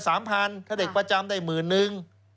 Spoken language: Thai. ถ้าเด็กประจำได้หมื่นนึง